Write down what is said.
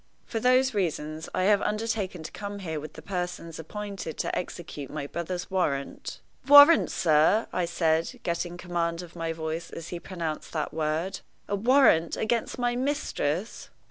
For those reasons, I have undertaken to come here with the persons appointed to execute my brother's warrant " "Warrant, sir!" I said, getting command of my voice as he pronounced that word "a warrant against my mistress!"